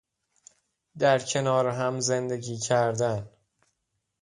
در کنار هم زندگی کردن